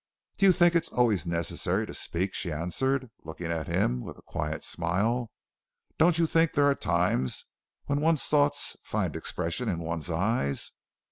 "Do you think it is always necessary to speak?" she answered, looking at him with a quiet smile. "Don't you think there are times when one's thoughts find expression in one's eyes?